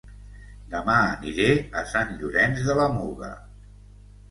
Dema aniré a Sant Llorenç de la Muga